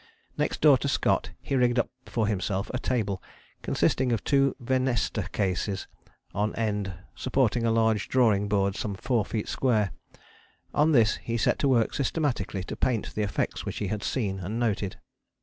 Next door to Scott he rigged up for himself a table, consisting of two venesta cases on end supporting a large drawing board some four feet square. On this he set to work systematically to paint the effects which he had seen and noted.